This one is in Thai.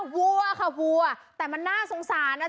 วัวแต่มันน่าสงสารนะวัว